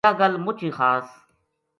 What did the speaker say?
یاہ گل مُچ ہی خاص